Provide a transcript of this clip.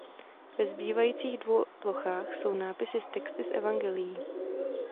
Ve zbývajících dvou plochách jsou nápisy s texty z evangelií.